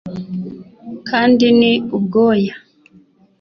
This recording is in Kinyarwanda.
kandi ni ubwoya